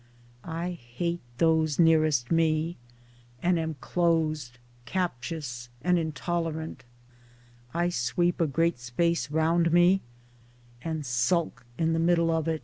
1 hate those nearest me, and am closed, captious and intolerant. I sweep a great space round me and sulk in the middle of it.